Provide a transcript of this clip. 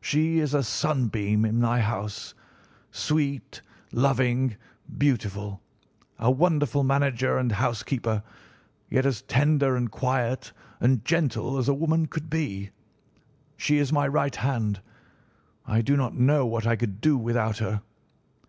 She is a sunbeam in my house—sweet, loving, beautiful, a wonderful manager and housekeeper, yet as tender and quiet and gentle as a woman could be. She is my right hand. I do not know what I could do without her.